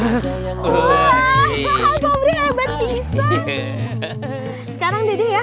seseorang yang lebih baik